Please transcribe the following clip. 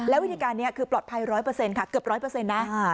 แล้ววิธีการนี้คือปลอดภัย๑๐๐ค่ะเกือบ๑๐๐นะ